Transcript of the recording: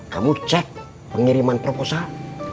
kamu cek pengiriman proposal